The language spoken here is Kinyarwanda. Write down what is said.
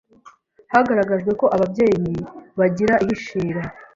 hagaragajwe ko ababyeyi bagira ihishira